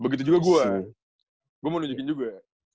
begitu juga gue gue mau nunjukin juga